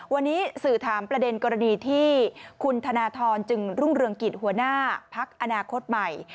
วันนี้สื่อถามประเด็นกรณีที่คุณธนทรจึงรุ่งเรืองกิจหัวหน้าพักอนาคตใหม่